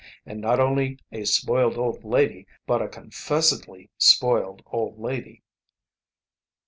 And not only a spoiled old lady but a confessedly spoiled old lady.